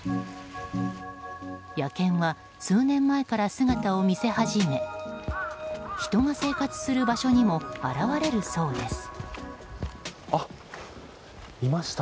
野犬は数年前から姿を見せはじめ人が生活する場所にも現れるそうです。